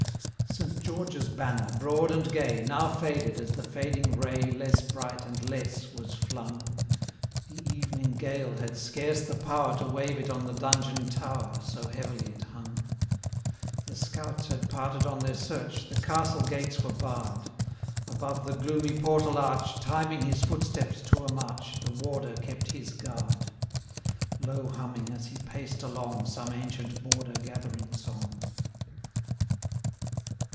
Saint George's banner, broad and gay, Now faded, as the fading ray 15 Less bright, and less, was flung; The evening gale had scarce the power To wave it on the Donjon Tower, So heavily it hung. The scouts had parted on their search, 20 The Castle gates were barr'd; Above the gloomy portal arch, Timing his footsteps to a march, The Warder kept his guard; Low humming, as he paced along, 25 Some ancient Border gathering song.